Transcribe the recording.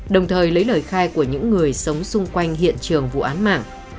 đồng thời lấy lời khai của những người sống xung quanh hiện trường vụ án mạng